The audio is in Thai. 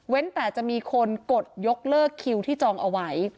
แต่จะมีคนกดยกเลิกคิวที่จองเอาไว้